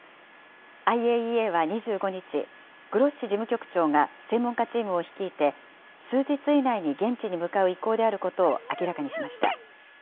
ＩＡＥＡは２５日、グロッシ事務局長が、専門家チームを率いて、数日以内に現地に向かう意向であることを明らかにしました。